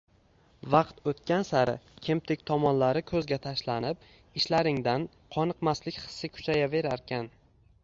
Vaqt o‘tgan sari kemtik tomonlari ko‘zga tashlanib, ishlaringdan qoniqmaslik hissi kuchayaverarkan.